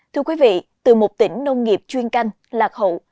thưa quý vị từ một tỉnh nông nghiệp chuyên canh lạc hậu